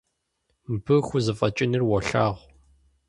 Мыбы хузэфӀэкӀынур уолъагъу.